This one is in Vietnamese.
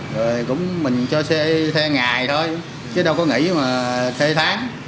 rồi cũng mình cho xe xe ngày thôi chứ đâu có nghĩ mà xe tháng